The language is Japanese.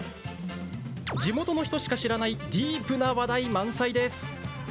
地元の人しか知らないディープな話題満載です。